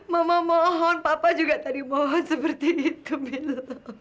mama mohon papa juga tadi mohon seperti itu